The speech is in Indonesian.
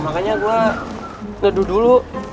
makanya gue ngedudu dulu